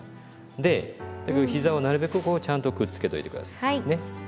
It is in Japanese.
でひざをなるべくこうちゃんとくっつけといて下さいね。